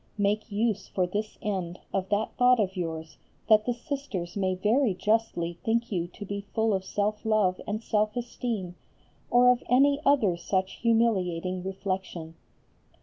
Make use for this end of that thought of yours that the Sisters may very justly think you to be full of self love and self esteem, or of any other such humiliating reflection.